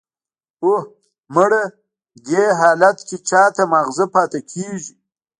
"اوه، مړه! دې حالت کې چا ته ماغزه پاتې کېږي!"